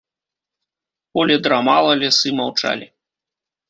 Поле драмала, лясы маўчалі.